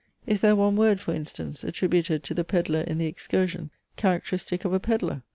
Is there one word, for instance, attributed to the pedlar in THE EXCURSION, characteristic of a Pedlar?